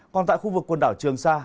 còn tại khu vực quần đảo trường sa